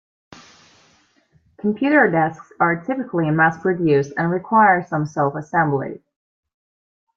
Computer desks are typically mass-produced and require some self-assembly.